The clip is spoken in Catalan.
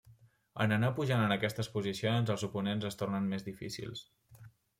En anar pujant en aquestes posicions, els oponents es tornen més difícils.